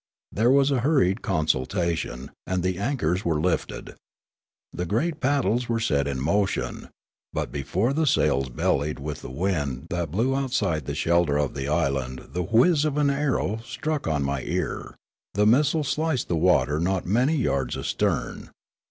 There was a hurried consultation, and the anchors were lifted. The great paddles were set in motion ; but before the sails bellied with the wind that blew outside the shelter of the island the whizz of an arrow struck on my ear ; the missile sliced the water not many yards astern.